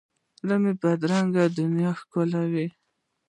زړه د بدرنګه دنیا ښکلاوي.